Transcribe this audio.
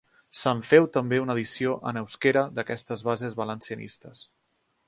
Se'n feu també una edició en eusquera, d'aquestes bases valencianistes.